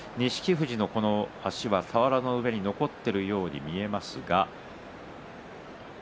富士の足は俵の上に残っているように見えますが。